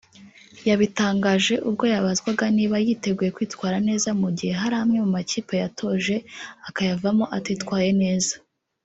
yabitangaje ubwo yabazwaga niba yiteguye kwitwara neza mu gihe hari amwe mu makipe yatoje akayavamo atitwaye neza